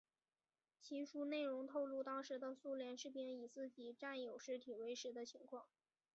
其书内容透露当时的苏联士兵以自己战友尸体为食的情况。